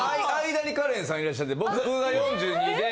間にカレンさんいらっしゃって僕が４２で。